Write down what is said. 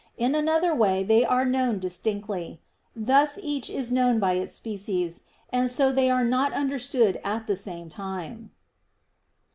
In another way they are known distinctly: thus each is known by its species; and so they are not understood at the same time.